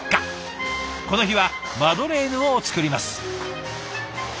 この日はマドレーヌを作ります。